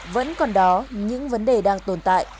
vẫn còn đó những vấn đề đang tồn tại